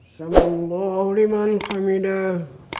sama allahuliman hamidah